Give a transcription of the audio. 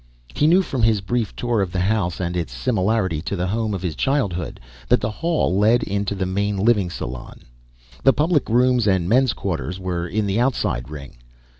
He knew from his brief tour of the house and its similarity to the home of his childhood that the hall let into the main living salon. The public rooms and men's quarters were in the outside ring.